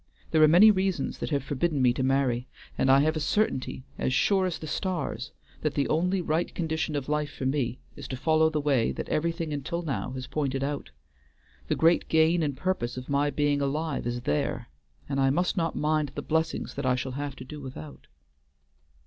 There are many reasons that have forbidden me to marry, and I have a certainty as sure as the stars that the only right condition of life for me is to follow the way that everything until now has pointed out. The great gain and purpose of my being alive is there; and I must not mind the blessings that I shall have to do without."